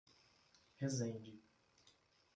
Resende